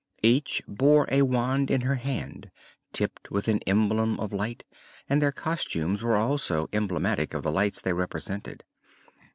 Each bore a wand in her hand, tipped with an emblem of light, and their costumes were also emblematic of the lights they represented.